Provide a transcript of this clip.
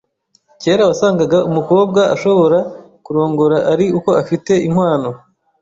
Kera wasangaga umukobwa ashobora kurongora ari uko afite inkwano.